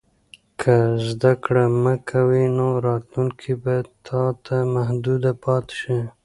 که زده کړه مه کوې، نو راتلونکی به تا ته محدود پاتې شي.